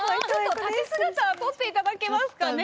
立ち姿撮って頂けますかね。